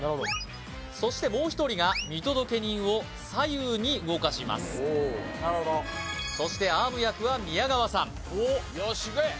そしてもう一人が見届け人を左右に動かしますそしてアーム役は宮川さん・おおっよーしいけ！